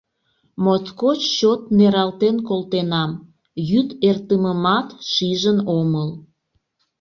Моткоч чот нералтен колтенам, йӱд эртымымат шижын омыл.